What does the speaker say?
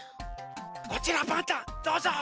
こちらパンタンどうぞ。